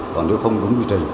còn nếu không đúng lịch trình